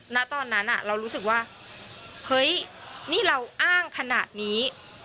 ณตอนนั้นเรารู้สึกว่าเฮ้ยนี่เราอ้างขนาดนี้